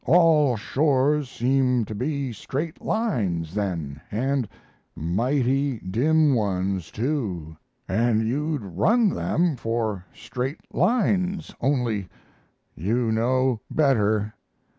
All shores seem to be straight lines, then, and mighty dim ones, too; and you'd run them for straight lines, only you know better.